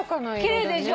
奇麗でしょ？